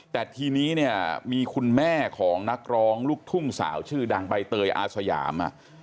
แต่ทีนี้เนี่ยมีคุณแม่ของนักร้องลูกทุ่งสาวชื่อดังใบเตยอาสยาม